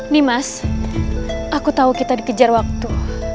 nimas aku tahu kita dikejar waktu